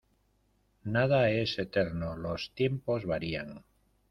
Nada es eterno los tiempos varían.